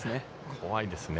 怖いですね。